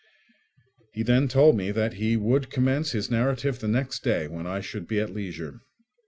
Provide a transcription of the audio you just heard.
He then told me that he would commence his narrative the next day when I should be at leisure.